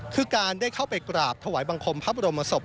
คือการได้เข้าไปกราบถวายบังคมพระบรมศพ